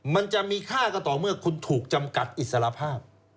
มันจะมีค่าก็ต่อเมื่อคุณถูกจำกัดอิสระภาพ